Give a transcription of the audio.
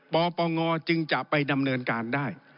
ปปงจึงจะไปดำเนินการได้